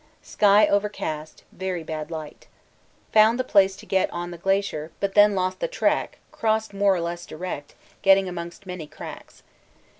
Sky overcast, very bad light. Found the place to get on the glacier, but then lost the track crossed more or less direct, getting amongst many cracks.